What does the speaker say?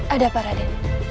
ada apa raden